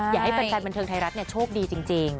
อยากให้แฟนบันเทิงไทยรัฐโชคดีจริง